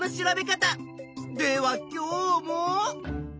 では今日も。